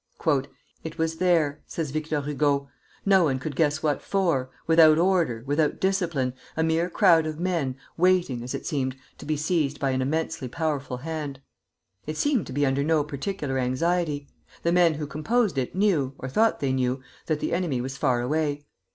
[Footnote 1: Victor Hugo, Choses vues.] "It was there," says Victor Hugo, "no one could guess what for, without order, without discipline, a mere crowd of men, waiting, as it seemed, to be seized by an immensely powerful hand. It seemed to be under no particular anxiety. The men who composed it knew, or thought they knew, that the enemy was far away.